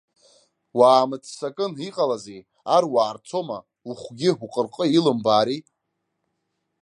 Уаамыццакын, иҟалазеи, ар уаарцома, ухәгьы уҟырҟы илымбаари.